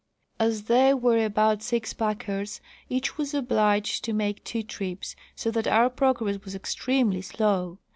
As there were but six packers, each was obliged to make two trips ; so that our progress was extremely slow.